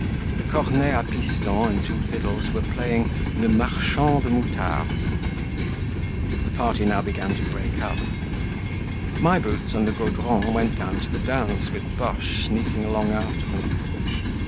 The cornet a piston and two fiddles were playing "Le Marchand de Moutarde." The party now began to break up. My Boots and the Gaudrons went down to the dance with Boche sneaking along after them.